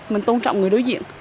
mình tôn trọng người đối diện